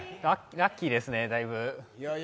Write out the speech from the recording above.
ラッキーですね、だいぶ。